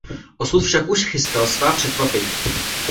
Osud však už chystal svá překvapení.